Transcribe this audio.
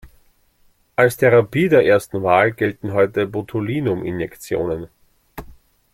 Als Therapie der ersten Wahl gelten heute Botulinum-Injektionen.